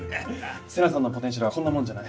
瀬那さんのポテンシャルはこんなもんじゃない。